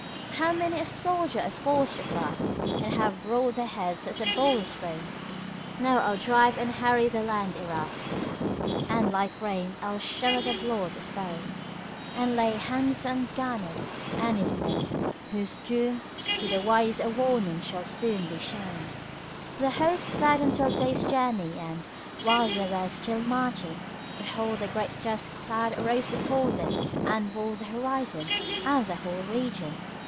How many a soldier I've forced to fly * And have rolled their heads as a ball is thrown? Now I'll drive and harry the land Irak[FN#15] * And like rain I'll shower the blood of fone; And lay hands on Gharib and his men, whose doom * To the wise a warning shall soon be shown!" The host fared on twelve days' journey and, while they were still marching, behold, a great dust cloud arose before them and walled the horizon and the whole region.